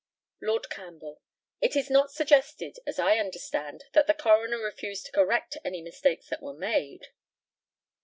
Lord CAMPBELL: It is not suggested, as I understand, that the coroner refused to correct any mistakes that were made.